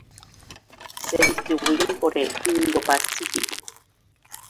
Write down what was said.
Se distribuyen por el Indo-Pacífico.